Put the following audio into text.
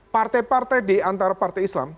partai partai diantara partai islam